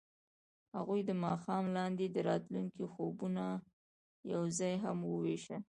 هغوی د ماښام لاندې د راتلونکي خوبونه یوځای هم وویشل.